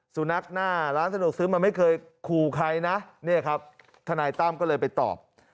สุนัขหน้าร้านสะดวกซื้อมันไม่เคยขู่ใครนะเนี่ยครับทนายตั้มก็เลยไปตอบ